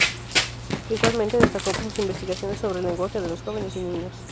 Igualmente, destacó por sus investigaciones sobre el lenguaje de los jóvenes y niños.